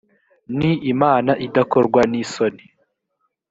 ni imana idakorwa n isoni